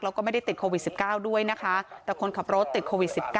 แล้วก็ไม่ได้ติดโควิด๑๙ด้วยนะคะแต่คนขับรถติดโควิด๑๙